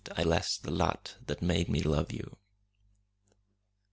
I bless the lot that made me love you.